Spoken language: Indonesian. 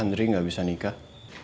indri gak bisa nikah